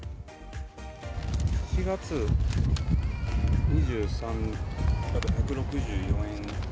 ７月２３、１６４円。